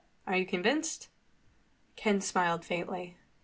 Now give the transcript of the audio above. Are you convinced?" Ken smiled faintly.